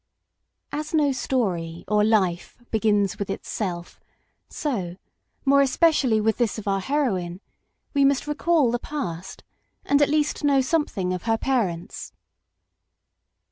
As no story or life begins with itself, so, more especially with this of our heroine, we must recall the past, and at least know something of her parents.